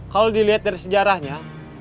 kalau dilihat dari sejarahnya